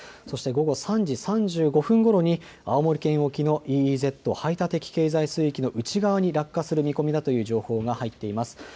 そして午後３時３５分ごろに青森県沖のＥＥＺ・排他的経済水域の内側に落下する見込みだという情報が入っています。